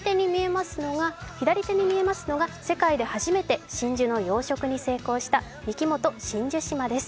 左手に見えますのが、世界で初めて真珠の養殖に成功したミキモト真珠島です。